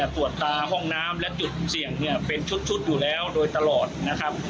ตรวจตาห้องน้ำและจุดเสี่ยงเนี่ยเป็นชุดอยู่แล้วโดยตลอดนะครับ